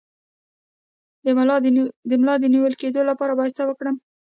د ملا د نیول کیدو لپاره باید څه وکړم؟